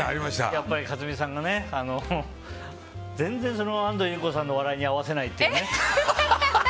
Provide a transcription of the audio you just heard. やっぱり克実さんがね全然、安藤優子さんの笑いに合わせないっていうね。